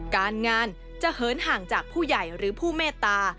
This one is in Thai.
การงานจะเหินห่างจากผู้ใหญ่หรือผู้เมตตา